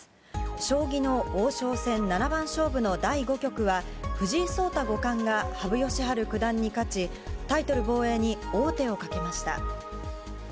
将棋の王将戦七番勝負の第５局は、藤井聡太五冠が羽生善治九段に勝ち、タイトル防衛に王手をかけました。